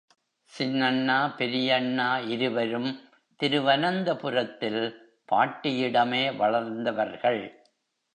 சின்னண்ணா பெரியண்ணா இருவரும் திருவனந்த புரத்தில் பாட்டியிடமே வளர்ந்தவர்கள்.